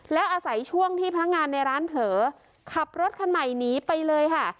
แล้วอาศัยช่วงที่พนักงานในร้านเผลอขับรถคันใหม่หนีไปเลยค่ะ